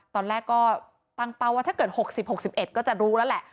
ตอนแรกก็ตั้งเป้าว่าถ้าเกิด๖๐๖๑ก็จะรู้แล้วแหละ